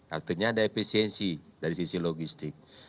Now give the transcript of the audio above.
artinya ada efisiensi dari sisi logistik